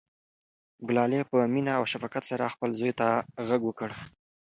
ګلالۍ په مینه او شفقت سره خپل زوی ته غږ وکړ.